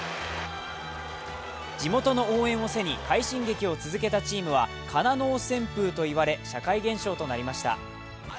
地元の応援を背に快進撃を続けたチームはカナノウ旋風と言われ社会現象となりました。